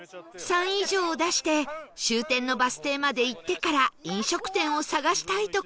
「３」以上を出して終点のバス停まで行ってから飲食店を探したいところ